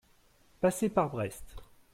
passer par Brest.